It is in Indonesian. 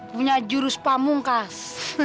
punya jurus pamungkas